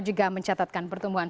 juga mencatatkan pertumbuhan